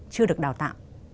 chưa được đào tạo